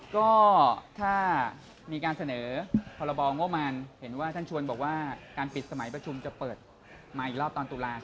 ก็ถ้ามีการเสนอพรบงบมารเห็นว่าท่านชวนบอกว่าการปิดสมัยประชุมจะเปิดมาอีกรอบตอนตุลาค